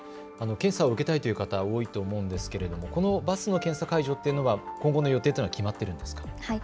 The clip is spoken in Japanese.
検査を受けたい方多いと思うんですけれどもこのバスの検査会場っていうのは今後の予定というのは決まってるんですか。